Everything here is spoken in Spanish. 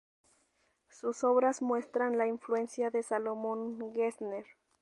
Sus obras muestran la influencia de Salomón Gessner.